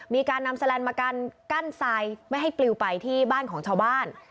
มีการนำแสลนด์มากันกั้นทรายไม่ให้ปลิวไปที่บ้านของชาวบ้าน